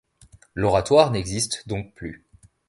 L'Oratoire n'existe donc plus.